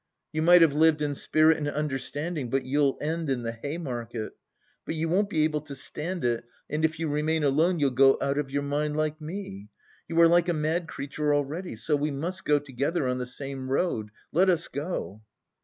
You might have lived in spirit and understanding, but you'll end in the Hay Market.... But you won't be able to stand it, and if you remain alone you'll go out of your mind like me. You are like a mad creature already. So we must go together on the same road! Let us go!"